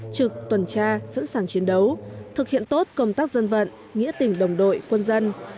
trực tuần tra sẵn sàng chiến đấu thực hiện tốt công tác dân vận nghĩa tình đồng đội quân dân